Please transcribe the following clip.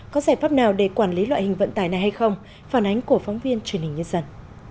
có giải pháp nào để quản lý loại hình vận tải này hay không phản ánh của phóng viên truyền hình nhân dân